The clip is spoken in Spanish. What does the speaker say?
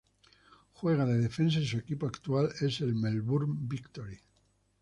Juega de defensa y su equipo actual es el Melbourne Victory.